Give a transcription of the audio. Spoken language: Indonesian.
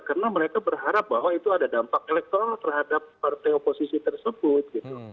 karena mereka berharap bahwa itu ada dampak elektronik terhadap partai oposisi tersebut